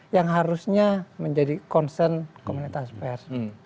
yang harusnya menjadi concern komunitas pers